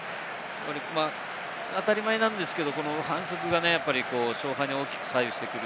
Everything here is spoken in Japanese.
当たり前なんですけれど、反則が勝敗を大きく左右してくる。